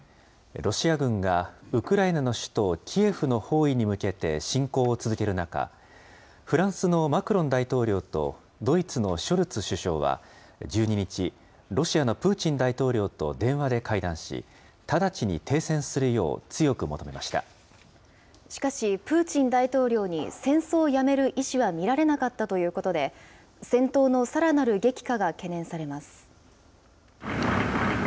ロシア軍がウクライナの首都キエフの包囲に向けて侵攻を続ける中、フランスのマクロン大統領と、ドイツのショルツ首相は、１２日、ロシアのプーチン大統領と電話で会談し、直ちに停戦するよう強くしかし、プーチン大統領に戦争をやめる意思は見られなかったということで、戦闘のさらなる激化が懸念されます。